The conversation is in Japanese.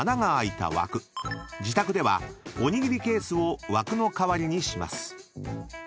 ［自宅ではおにぎりケースを枠の代わりにします］